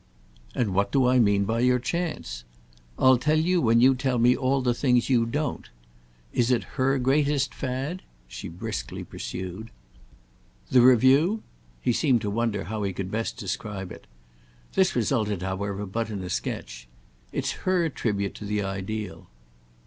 "And what do I mean by your chance? I'll tell you when you tell me all the things you don't. Is it her greatest fad?" she briskly pursued. "The Review?" He seemed to wonder how he could best describe it. This resulted however but in a sketch. "It's her tribute to the ideal."